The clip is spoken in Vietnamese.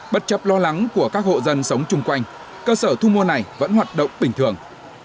bất chấp lo lắng của các hộ dân sống chung quanh cơ sở thu mua này vẫn hoạt động bình thường